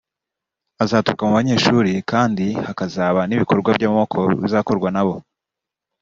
azaturuka mu banyeshuri kandi hakazaba n’ibikorwa by’amaboko bizakorwa na bo